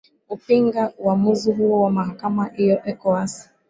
upinga uamuzi huo wa mahakama hiyo ecowas